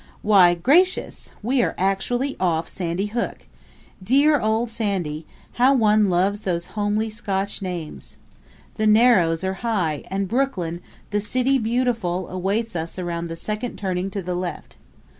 Why, gracious! We are actually off Sandy Hook. Dear old Sandy how one loves those homely Scotch names! The Narrows are nigh and Brooklyn, the City Beautiful, awaits us around the second turning to the left.